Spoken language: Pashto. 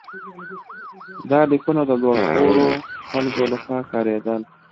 دا لیکونه د لوړ پوړو خلکو لخوا کارېدل.